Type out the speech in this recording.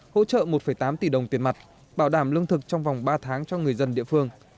hỗ trợ một tám tỷ đồng tiền mặt bảo đảm lương thực trong vòng ba tháng cho người dân địa phương